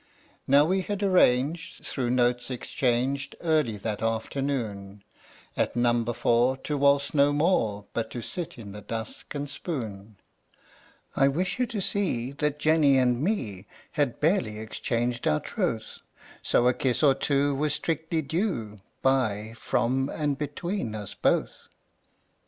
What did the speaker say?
Now we had arranged, through notes exchanged Early that afternoon, At Number Four to waltz no more, But to sit in the dusk and spoon. I wish you to see that Jenny and Me Had barely exchanged our troth; So a kiss or two was strictly due By, from, and between us both.